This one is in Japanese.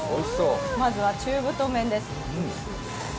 まずは中太麺です。